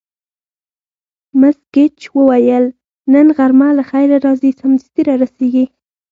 مس ګېج وویل: نن غرمه له خیره راځي، سمدستي را رسېږي.